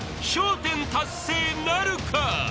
１０達成なるか？］